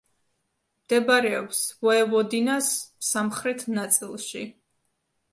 მდებარეობს ვოევოდინას სამხრეთ ნაწილში.